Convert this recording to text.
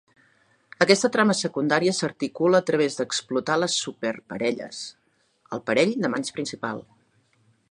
Aquesta trama secundària s'articula a través d'explotar les superparelles, el parell d'amants principal.